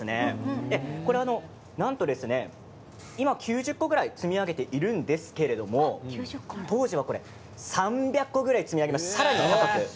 なんと今９０個ぐらい積み上げているんですけれども当時は３００ぐらい積み上げてさらに高く。